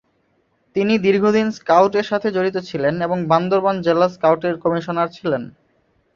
তিনি দীর্ঘদিন স্কাউট এর সাথে জড়িত ছিলেন এবং বান্দরবান জেলা স্কাউট এর কমিশনার ছিলেন।